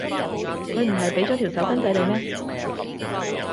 佢唔係畀咗條手巾仔你咩？